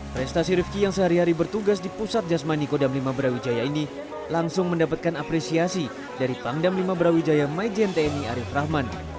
prestasi rifki yang sehari hari bertugas di pusat jasmani kodam lima brawijaya ini langsung mendapatkan apresiasi dari pangdam lima brawijaya maijen tni arief rahman